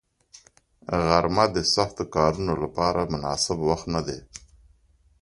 غرمه د سختو کارونو لپاره مناسب وخت نه دی